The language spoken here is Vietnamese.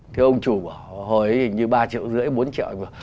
thì ông chủ bảo hồi ấy hình như ba triệu rưỡi bốn triệu